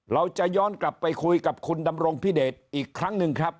เราจะย้อนกลับไปคุยกับคุณดำรงพิเดชอีกครั้งหนึ่งครับ